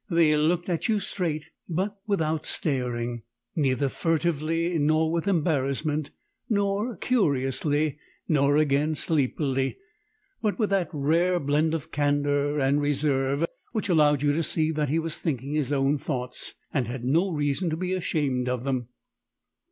They looked at you straight but without staring; neither furtively nor with embarrassment, nor curiously, nor again sleepily, but with that rare blend of candour and reserve which allowed you to see that he was thinking his own thoughts, and had no reason to be ashamed of them.